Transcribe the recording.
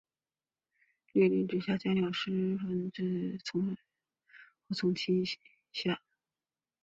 律令制下将之分为从七位上和从七位下。